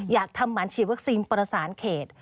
อยากทำหมันฉีดวัคซีนประสานเขต